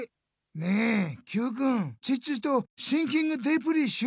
ねえＱくんチッチとシンキングデープリーしようよ？